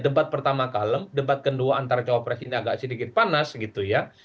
debat pertama kalem debat kedua antara cowok presiden agak sedikit panas gitu ya